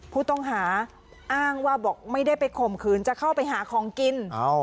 ผู้ต้องหาอ้างว่าบอกไม่ได้ไปข่มขืนจะเข้าไปหาของกิน